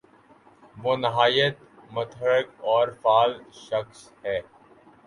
وہ نہایت متحرک اور فعال شخص ہیں۔